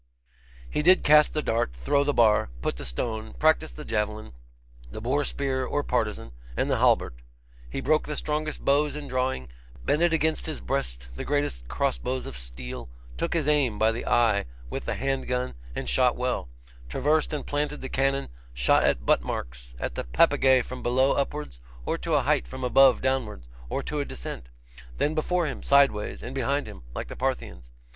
He did cast the dart, throw the bar, put the stone, practise the javelin, the boar spear or partisan, and the halbert. He broke the strongest bows in drawing, bended against his breast the greatest crossbows of steel, took his aim by the eye with the hand gun, and shot well, traversed and planted the cannon, shot at butt marks, at the papgay from below upwards, or to a height from above downwards, or to a descent; then before him, sideways, and behind him, like the Parthians.